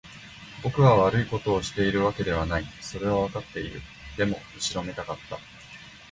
僕は悪いことをしているわけではない。それはわかっている。でも、後ろめたかった。